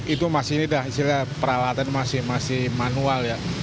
itu masih ini dah istilah peralatan masih manual ya